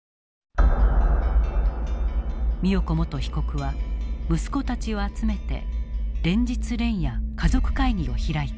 美代子元被告は息子たちを集めて連日連夜家族会議を開いた。